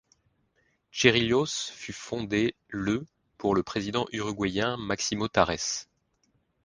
Cerrillos fut fondée le pour le président uruguayen Máximo Tajes.